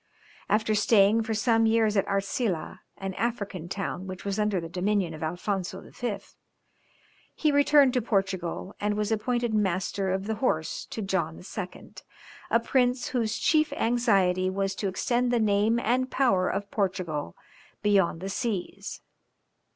After staying for some years at Arzila, an African town which was under the dominion of Alphonzo V., he returned to Portugal, and was appointed Master of the Horse to John II., a prince whose chief anxiety was to extend the name and power of Portugal beyond the seas.